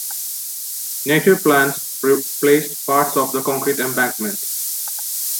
Native plants replaced parts of the concrete embankment.